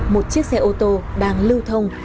một chiếc xe ô tô đang lưu thông